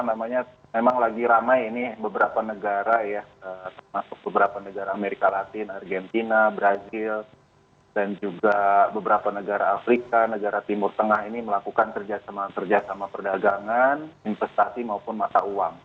memang lagi ramai ini beberapa negara ya termasuk beberapa negara amerika latin argentina brazil dan juga beberapa negara afrika negara timur tengah ini melakukan kerjasama kerjasama perdagangan investasi maupun mata uang